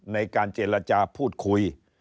ในการเจรจาพูดคุย